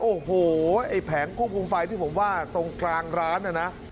โอ้โหไอ้แผงควบคุมไฟที่ผมว่าตรงกลางร้านน่ะนะ